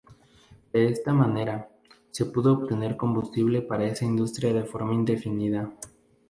De esta manera, se pudo obtener combustible para esa industria de forma indefinida.